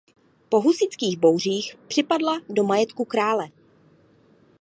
Po husitských bouřích připadla do majetku krále.